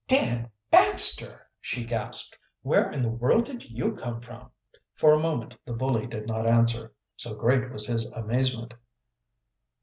"Dan Baxter!" she gasped. "Where in the world did you come from?" For a moment the bully did not answer, so great was his amazement.